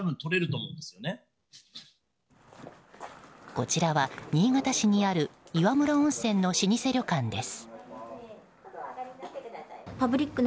こちらは新潟市にある岩室温泉の老舗旅館です。